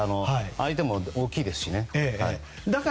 相手も大きいですし。